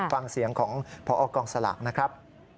ฟังเสียงของพอกองสลากนะครับ